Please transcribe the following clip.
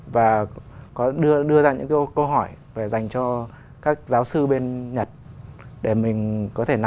và có đưa ra những câu hỏi dành cho các giáo sư bên nhật để mình có thể nắm sửa